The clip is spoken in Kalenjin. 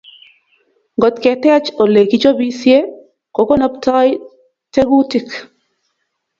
Ngotketech Ole kichobisie kokonobtoi tegutik